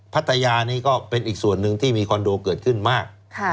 พัทยานี้ก็เป็นอีกส่วนหนึ่งที่มีคอนโดเกิดขึ้นมาก